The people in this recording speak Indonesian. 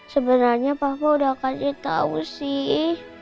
sebenarnya papa udah kasih tau sih